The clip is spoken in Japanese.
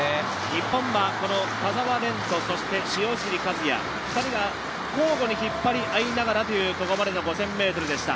日本は田澤廉と塩尻和也、２人が交互に引っ張り合いながらというここまでの５０００ｍでした。